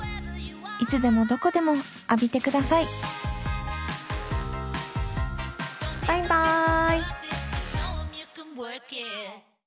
いつでもどこでも浴びてくださいバイバイ。